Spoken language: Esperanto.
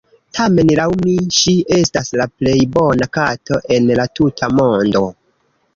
Tamen, laŭ mi, ŝi estas la plej bona kato en la tuta mondo.